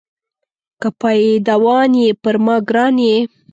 که پایدوان یې پر ما ګران یې.